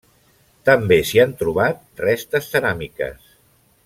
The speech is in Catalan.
També s'hi han trobat restes ceràmiques.